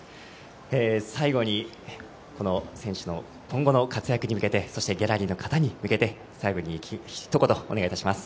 最後に、この選手の今後の活躍に向けて、そしてギャラリーの方に向けて最後に一言お願いします。